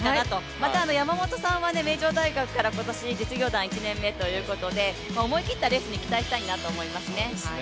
また山本さんは名城大学から今年実業団１年目ということで思い切ったレースに期待したいなと思いますね。